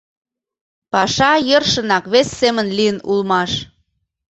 Паша йӧршынак вес семын лийын улмаш.